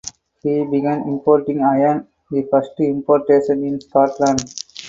He began importing iron (the first importation in Scotland).